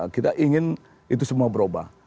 kita ingin itu semua berubah